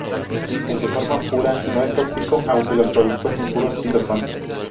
En su forma pura, no es tóxico, aunque los productos impuros sí lo son.